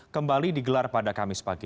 kembali digelar pada kamis pagi